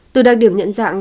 từ đặc điểm nhận dạng